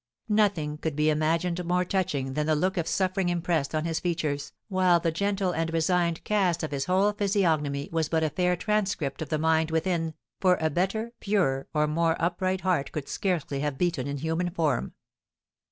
Nothing could be imagined more touching than the look of suffering impressed on his features, while the gentle and resigned cast of his whole physiognomy was but a fair transcript of the mind within, for a better, purer, or more upright heart could scarcely have beaten in human form.